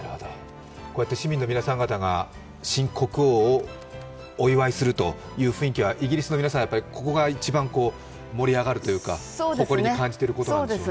こうやって市民の皆さん方が新国王をお祝いするという雰囲気はイギリスの皆さん、ここが一番盛り上がるというか誇りに感じていることなんでしょうね。